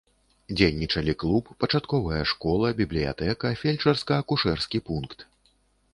Дзейнічалі клуб, пачатковая школа, бібліятэка, фельчарска-акушэрскі пункт.